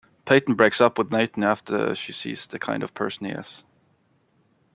Peyton breaks up with Nathan after she sees the kind of person he is.